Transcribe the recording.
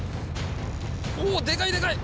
おでかいでかい！